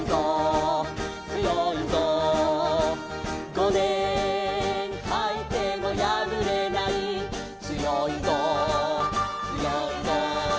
「ごねんはいてもやぶれない」「つよいぞつよいぞ」